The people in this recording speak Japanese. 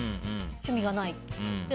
趣味がないって。